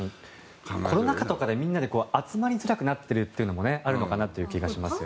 コロナ禍とかで、みんなで集まりづらくなっているのもあるのかなという気がします。